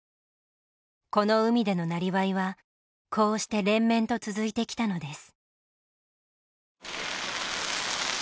この海でのなりわいはこうして連綿と続いてきたのです。